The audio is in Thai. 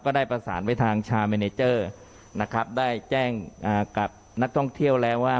ได้ประสานไปทางชาเมเนเจอร์นะครับได้แจ้งกับนักท่องเที่ยวแล้วว่า